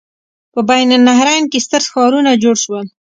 په بین النهرین کې ستر ښارونه جوړ شول.